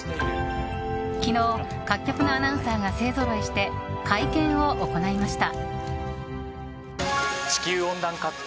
昨日、各局のアナウンサーが勢ぞろいして、会見を行いました。